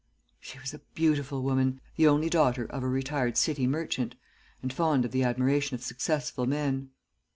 "She was a beautiful woman, the only daughter of a retired city merchant, and fond of the admiration of successful men.